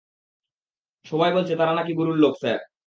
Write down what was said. সবাই বলছে তারা না-কি গুরুর লোক, স্যার।